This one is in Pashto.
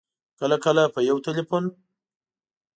کله کله په یو ټېلفون